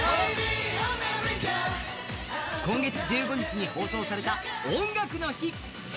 今月１５日に放送された「音楽の日」。